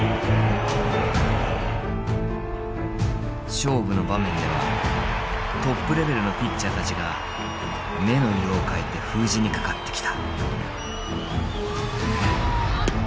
勝負の場面ではトップレベルのピッチャーたちが目の色を変えて封じにかかってきた。